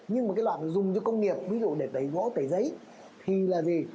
nhưng mà cái loại dùng cho công nghiệp ví dụ để tẩy gỗ tẩy giấy thì là gì